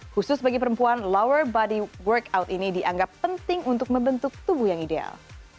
khusus bagi perempuan lower body workout ini dianggap penting untuk membentuk tubuh yang ideal